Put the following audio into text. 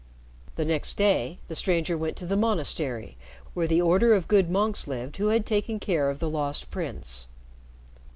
The next day, the stranger went to the monastery where the order of good monks lived who had taken care of the Lost Prince.